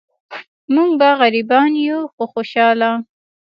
مونږ به غریبان یو خو خوشحاله.